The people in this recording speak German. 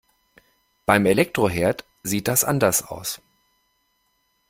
Beim Elektroherd sieht das anders aus.